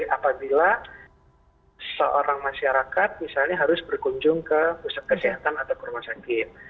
apabila seorang masyarakat misalnya harus berkunjung ke pusat kesehatan atau ke rumah sakit